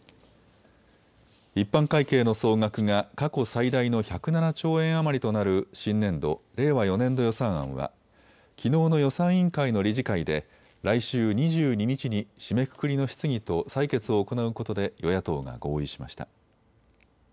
一般会計の総額が過去最大の１０７兆円余りとなる新年度、令和４年度予算案はきのうの予算委員会の理事会で来週２２日に締めくくりの質疑と採決を行うことで与野党が合意しました。